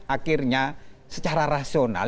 akhirnya secara rasional